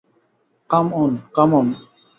Come on, come on!